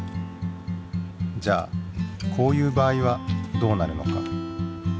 じゃあこういう場合はどうなるのか？